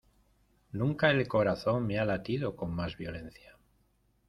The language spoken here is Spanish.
nunca el corazón me ha latido con más violencia.